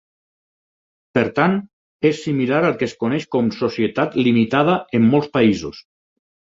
Per tant, és similar al que es coneix com societat limitada en molts països.